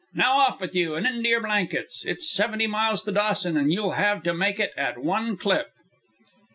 Now off with you and into your blankets. It's seventy miles to Dawson, and you'll have to make it at one clip."